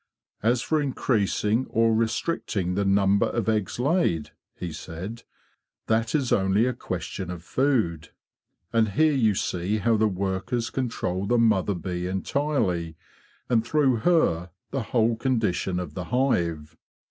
"As for increasing or restricting the number of eggs laid,' he said, '"' that is only a question of food; and here you see how the workers control the mother bee entirely, and, through her, the whole con dition of the hive.